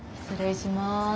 失礼します。